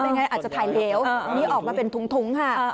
ยังไงอาจจะถ่ายเหลวอันนี้ออกมาเป็นถุงค่ะ